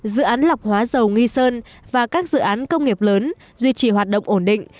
dự án lọc hóa dầu nghi sơn và các dự án công nghiệp lớn duy trì hoạt động ổn định